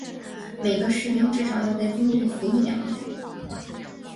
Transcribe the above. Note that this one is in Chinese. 每个士兵至少要在军队服役两年。